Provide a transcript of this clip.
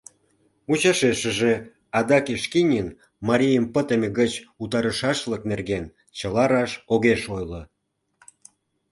Мучашешыже адак Эшкинин марийым пытыме гыч утарышашлык нерген чыла раш огеш ойло.